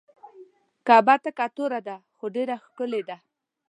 کعبه تکه توره ده خو ډیره ښکلې ده.